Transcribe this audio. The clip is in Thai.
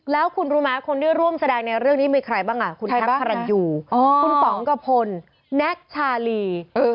แล้วคุณรู้ไหมคนที่ร่วมแสดงในเรื่องนี้มีใครบ้างคุณแท็กพระรันยูคุณป๋องกระพลแน็กชาลี